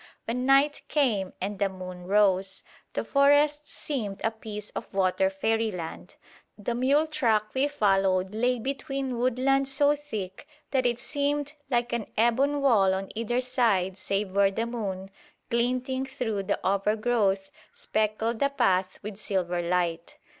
When night came and the moon rose, the forests seemed a piece of water fairyland. The mule track we followed lay between woodland so thick that it seemed like an ebon wall on either side save where the moon, glinting through the overgrowth, speckled the path with silver light.